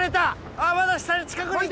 あまだ下に近くにいた！